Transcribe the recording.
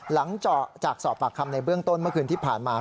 หลังจากสอบปากคำในเบื้องต้นเมื่อคืนที่ผ่านมา